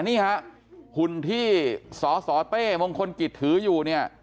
นี่ค่ะหุ่นที่สสเต้มงคลกิจถืออยู่